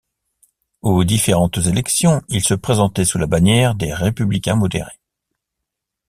Aux différentes élections, il se présentait sous la bannière des Républicains modérés.